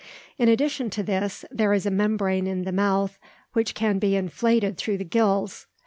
In addition to this, there is a membrane in the mouth which can be inflated through the gills.